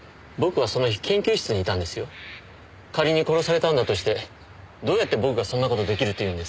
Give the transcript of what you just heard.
仮に殺されたんだとしてどうやって僕がそんな事出来るというんです？